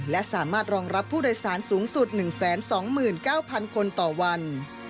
และสามารถรองรับผู้โดยสารสูงสุด๑๒๙๐๐คนต่อวัน